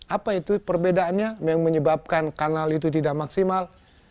apa itu perbedaannya yang menyebabkan kanal itu tidak maksimal